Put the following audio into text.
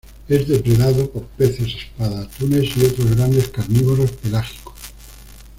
Es depredado por peces espada, atunes y otros grandes carnívoros pelágicos.